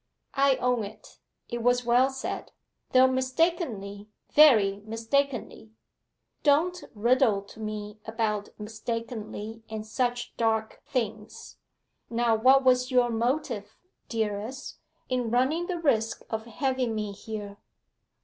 'I own it it was well said, though mistakenly very mistakenly.' 'Don't riddle to me about mistakenly and such dark things. Now what was your motive, dearest, in running the risk of having me here?